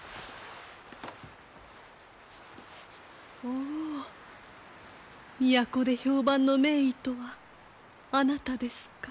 おお都で評判の名医とはあなたですか？